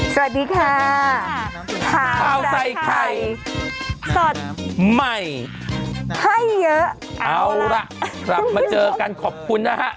สวัสดีค่ะข้าวใส่ไข่สดใหม่ให้เยอะเอาล่ะกลับมาเจอกันขอบคุณนะฮะ